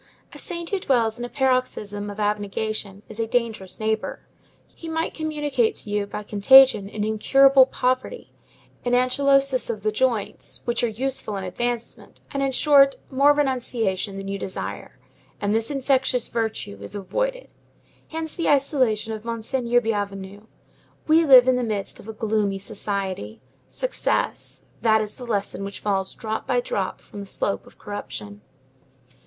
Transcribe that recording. A saint who dwells in a paroxysm of abnegation is a dangerous neighbor; he might communicate to you, by contagion, an incurable poverty, an anchylosis of the joints, which are useful in advancement, and in short, more renunciation than you desire; and this infectious virtue is avoided. Hence the isolation of Monseigneur Bienvenu. We live in the midst of a gloomy society. Success; that is the lesson which falls drop by drop from the slope of corruption.